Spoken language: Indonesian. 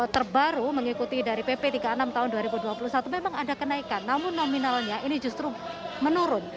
terbaru mengikuti dari pp tiga puluh enam tahun dua ribu dua puluh satu memang ada kenaikan namun nominalnya ini justru menurun